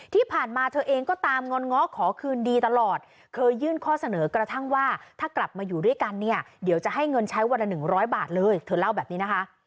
ที่ผ่านมาเธอเองก็ตามงอนง้อขอคืนดีตลอดเคยยื่นข้อเสนอกระทั่งว่าถ้ากลับมาอยู่ด้วยกันเนี่ยเดี๋ยวจะให้เงินใช้วันละ๑๐๐บาทเลยเธอเล่าแบบนี้นะคะ